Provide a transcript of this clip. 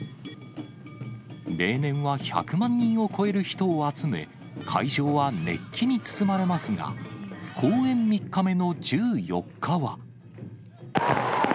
例年は１００万人を超える人を集め、会場は熱気に包まれますが、公演３日目の１４日は。